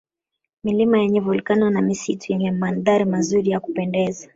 Milima yenye Volkano na misitu yenye mandhari mazuri ya kupendeza